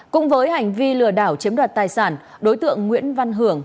cũng với hành vi lừa đảo chiếm đoạt tài sản đối tượng nguyễn văn hưởng